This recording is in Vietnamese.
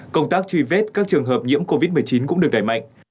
công tác truy vết các trường hợp nhiễm covid một mươi chín cũng được đẩy mạnh